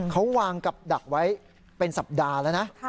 เขาวางกับดักไว้เป็นสัปดาห์แล้วนะ